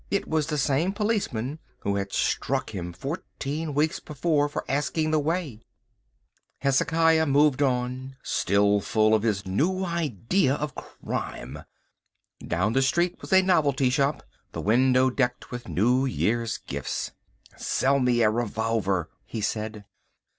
It was the same policeman who had struck him fourteen weeks before for asking the way. Hezekiah moved on, still full of his new idea of crime. Down the street was a novelty shop, the window decked with New Year's gifts. "Sell me a revolver," he said.